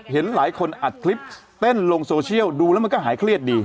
เห็นหลายคนอัดคลิปเต้นลงโซเชียลดูแล้วมันก็หายเครียดดี